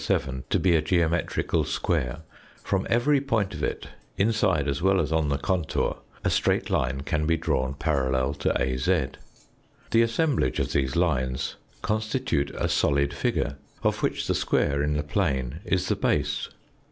7 to be a geometrical square from every point of it, inside as well as on the contour, a straight line can be drawn parallel to AZ. The assemblage of these lines constitute a solid figure, of which the square in the plane is the base.